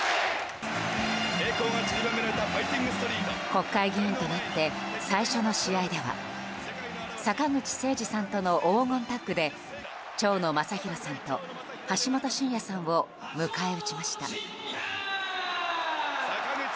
国会議員となって最初の試合では坂口征二さんとの黄金タッグで蝶野正洋さんと橋本真也さんを迎え撃ちました。